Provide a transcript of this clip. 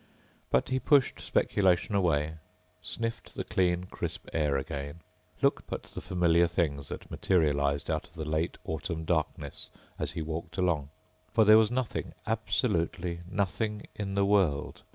But he pushed speculation away, sniffed the clean, crisp air again, looked at the familiar things that materialized out of the late autumn darkness as he walked along. For there was nothing ... absolutely nothing in the world